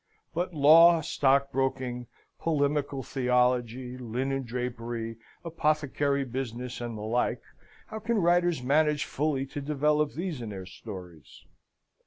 But law, stockbroking, polemical theology, linen drapery, apothecary business, and the like, how can writers manage fully to develop these in their stories?